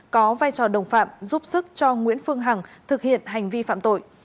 có vai trò đồng phạm giúp sức cho nguyễn phương hằng thực hiện hành vi phạm tội